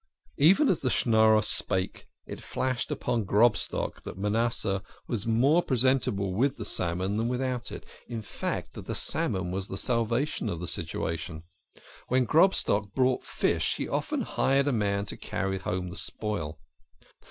Even as the Schnorrer spake it flashed upon Grobstock that Manasseh was more presentable with the salmon than without it in fact, that the salmon was the salvation of the situation. When Grobstock bought fish he often hired a man to carry home the spoil.